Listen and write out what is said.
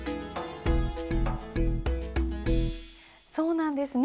そうなんですね。